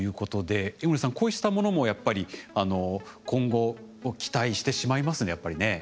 こうしたものもやっぱり今後期待してしまいますねやっぱりね。